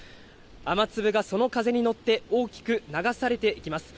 雨粒がその風に乗って、大きく流されていきます。